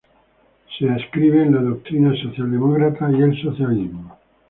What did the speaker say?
Se adscribe en la doctrina socialdemócrata y el socialismo.